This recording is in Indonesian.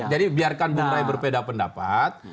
jadi biarkan bung rai berpeda pendapat